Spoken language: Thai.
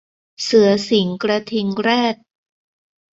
เสือสิงห์กระทิงแรด